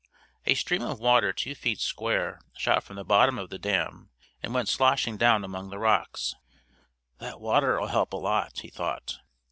A stream of water two feet square shot from the bottom of the dam and went sloshing down among the rocks. "That water'll help a lot," he thought.